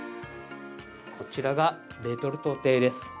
こちらがレトルト亭です。